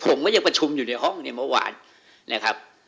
ผมก็ยังประชุมอยู่ในห้องเนี่ยเมื่อวานนะครับ